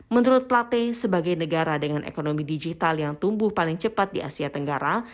menurut plate sebagai negara dengan ekonomi digital yang tumbuh paling cepat di asia tenggara